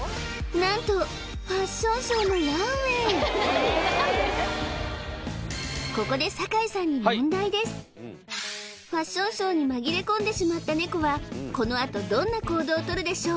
何とファッションショーのここでファッションショーに紛れ込んでしまったネコはこのあとどんな行動をとるでしょう？